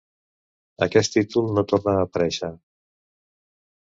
Aquest títol no torna a aparèixer.